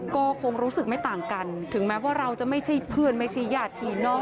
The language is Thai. ก็คงรู้สึกไม่ต่างกันถึงแม้ว่าเราจะไม่ใช่เพื่อนไม่ใช่ญาติพี่น้อง